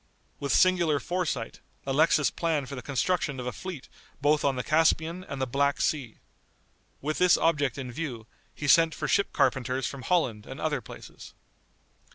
With singular foresight, Alexis planned for the construction of a fleet both on the Caspian and the Black Sea. With this object in view, he sent for ship carpenters from Holland and other places.